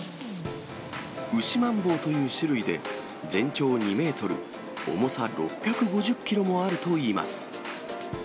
ウシマンボウという種類で、全長２メートル、重さ６５０キロもあるといいます。